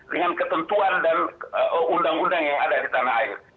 dengan ketentuan dan undang undang yang ada di tanah air